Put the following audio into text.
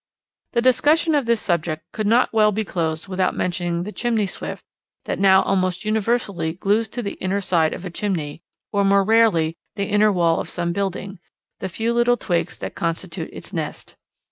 The discussion of this subject could not well be closed without mentioning the Chimney Swift that now almost universally glues to the inner side of a chimney, or more rarely the inner wall of some building, the few little twigs that constitute its nest.